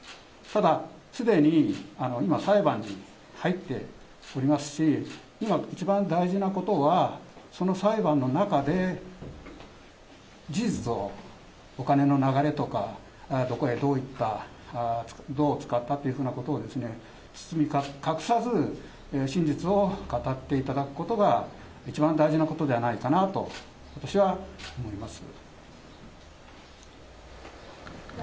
ただ、すでに今、裁判に入っておりますし、今、一番大事なことは、その裁判の中で、事実を、お金の流れとか、どこへどういった、どう使ったというふうなことを包み隠さず真実を語っていただくことが、一番大事なことではないかなと私は思います。